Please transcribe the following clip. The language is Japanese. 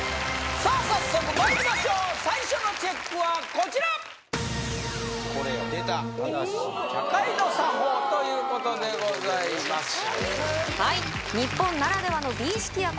さあ早速まいりましょう最初のチェックはこちらこれよ出た正しい茶会の作法ということでございます茶会？